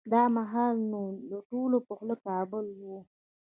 دا مهال نو د ټولو په خوله کابل و.